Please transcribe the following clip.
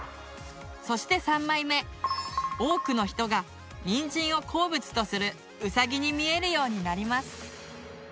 そして３枚目多くの人がニンジンを好物とする「ウサギ」に見えるようになります。